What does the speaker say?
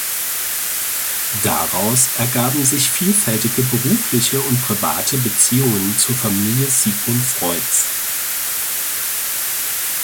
Daraus ergaben sich vielfältige berufliche und private Beziehungen zur Familie Sigmund Freuds.